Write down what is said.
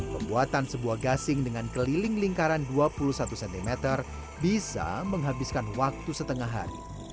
pembuatan sebuah gasing dengan keliling lingkaran dua puluh satu cm bisa menghabiskan waktu setengah hari